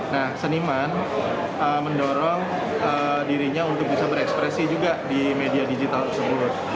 nah seniman mendorong dirinya untuk bisa berekspresi juga di media digital tersebut